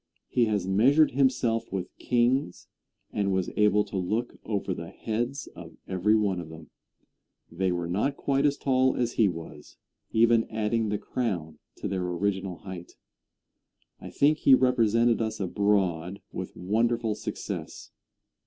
He has measured himself with kings, and was able to look over the heads of every one of them. They were not quite as tall as he was, even adding the crown to their original height. I think he represented us abroad with wonderful success.